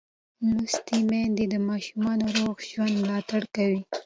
لوستې میندې د ماشوم روغ ژوند ملاتړ کوي.